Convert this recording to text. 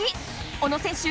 小野選手